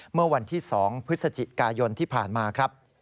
เมื่อวันที่๒พฤศจิกายนที่ผ่านมาครับ